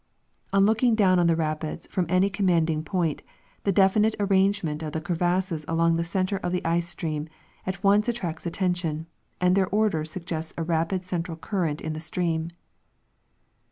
On looking do^vn on the rapids from any conunandino point, the dolinito avrangonicnt ol'tho ciwas>sos along the center of the ieo streani at on(>e attracts attention, and their order suggests a rapid central cnrnait in the stream.